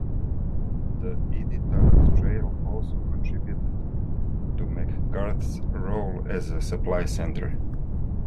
The Iditarod Trail also contributed to McGrath's role as a supply center.